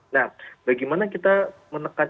nah bagaimana kita menekan